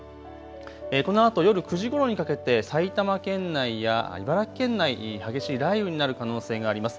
このあと夜９時ごろにかけて埼玉県内や茨城県内、激しい雷雨になる可能性があります。